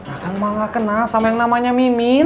akan mau gak kenal sama yang namanya mimin